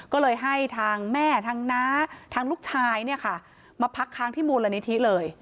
ก็เลยให้ทางแม่ทางน้าทางลูกชายเนี่ยค่ะมาพักค้างที่มูลนิธิเลย